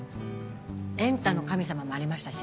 『エンタの神様』もありましたし。